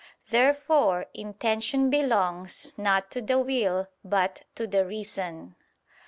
Therefore intention belongs not to the will but to the reason.